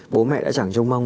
công an các thứ vào cuộc không